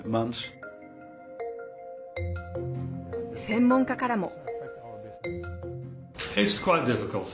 専門家からも。